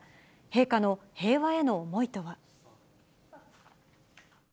陛下の平和への思いとは。